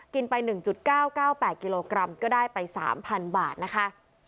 กินไป๑๙๙๘กิโลกรัมก็ได้ไป๓๐๐บาทนะคะ